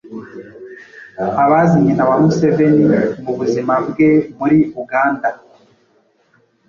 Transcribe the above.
Abazi nyina wa Museveni mu buzima bwe muri Uganda